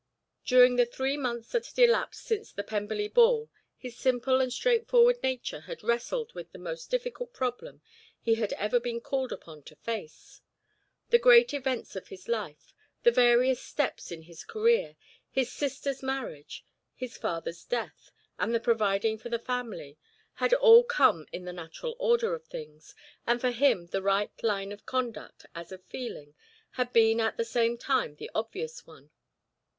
During the three months that had elapsed since the Pemberley ball his simple and straightforward nature had wrestled with the most difficult problem he had ever been called upon to face. The great events of his life the various steps in his career, his sister's marriage, his father's death, and the providing for the family, had all come in the natural order of things, and for him the right line of conduct, as of feeling, had been at the same time the obvious one.